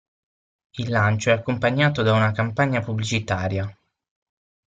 Il lancio è accompagnato da una campagna pubblicitaria.